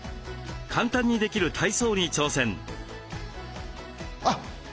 簡単にできる体操に挑戦。